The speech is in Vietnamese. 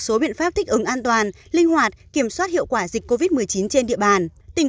số biện pháp thích ứng an toàn linh hoạt kiểm soát hiệu quả dịch covid một mươi chín trên địa bàn tỉnh